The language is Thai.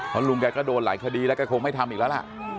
เพราะลุงแกก็โดนหลายคดีแล้วก็คงไม่ทำอีกแล้วล่ะ